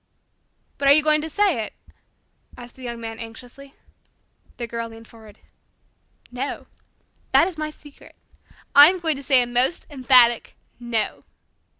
'" "But are you going to say it?" asked the Young Man anxiously. The Girl leaned forward. "No. That is my secret. I am going to say a most emphatic 'no.'"